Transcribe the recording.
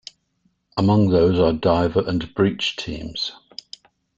Among those are diver and breach teams.